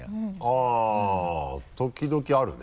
あっ時々あるね。